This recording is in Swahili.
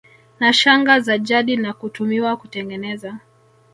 na shanga za jadi na kutumiwa kutengeneza